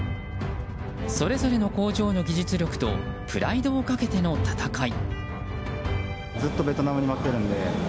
それぞれの工場の技術力とプライドをかけての戦い。